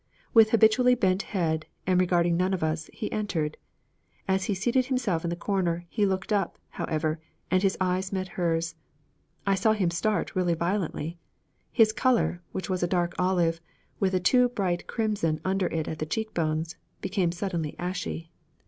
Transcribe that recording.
With habitually bent head and regarding none of us, he entered. As he seated himself in the corner, he looked up, however, and his eyes met hers. I saw him start really violently. His color, which was a dark olive, with a too bright crimson under it at the cheek bones, became suddenly ashy.